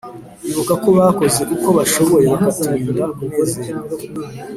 Ibuka ko bakoze uko bashoboye Bakaturinda kunezerwa